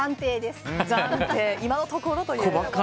今のところという。